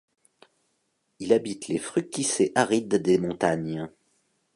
Il habite les fruticées arides des montagnes.